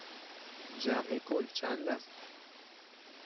جمع کل چند است؟